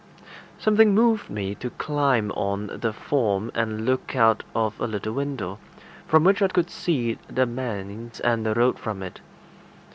Something moved me to climb on the form and look out of a little window, from which I could see the manse and the road from it.